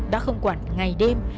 đã không quản ngày đêm